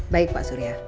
baik pak surya